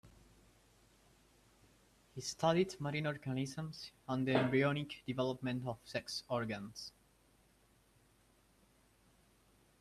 He studied marine organisms and the embryonic development of sex organs.